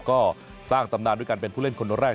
ก็สร้างตำนานด้วยการเป็นผู้เล่นคนแรก